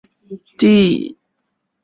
为黑尔福德县的首府所在地。